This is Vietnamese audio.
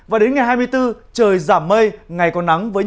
và đến ngày hai mươi bốn trời giảm mây ngày có nắng